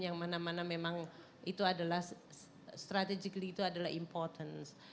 yang mana mana memang itu adalah strategically itu adalah important